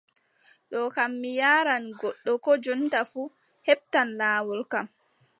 Ɗo kam mi yaaran goɗɗo koo jonta fuu, heɓtan laawol kam.